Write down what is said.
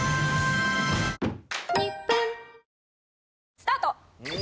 スタート！